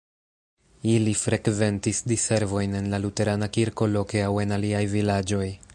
Ili frekventis diservojn en la luterana kirko loke aŭ en aliaj vilaĝoj.